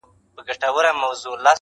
راته وساته ګلونه د نارنجو امېلونه -